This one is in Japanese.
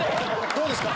どうですか？